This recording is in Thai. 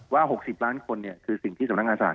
ว่า๖๐ล้านคนคือสิ่งที่สำนักงานศาส